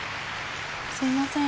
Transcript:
すいません。